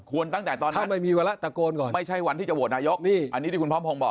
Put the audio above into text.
ควรตั้งแต่ตอนนั้นไม่ใช่วันที่จะโหวตนายกอันนี้ที่คุณพร้อมพร้อมบอก